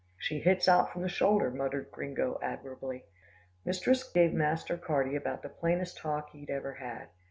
"She hits out from the shoulder," muttered Gringo admiringly. Mistress gave Master Carty about the plainest talk he'd ever had.